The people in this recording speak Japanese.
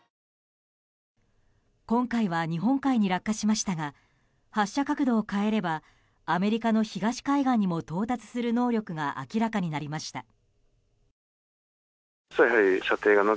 今回は日本海に落下しましたが発射角度を変えればアメリカの東海岸にも到達する能力が明らかになりました。